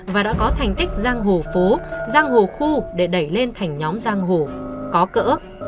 và đã có thành tích giang hồ phố giang hồ khu để đẩy lên thành nhóm giang hồ có cỡ